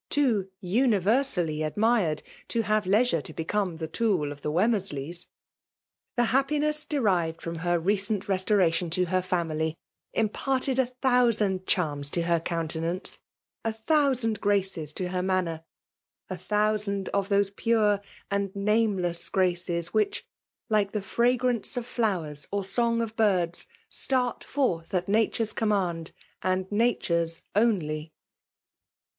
FKICALE DOMINATION. 75 luuversaUy adnuced, to htvre leioore to become the tool of the Wexnmeird^s. The happineBB denved from her recent restoration to her family, imparted a thousand charms tp her coiuxtenanee — a thousand graces to her manner — a thousand of those pure and name Jess graces which, like the fragrance of flowers, or song of birds, start forth at Nature's command, and Nature's only.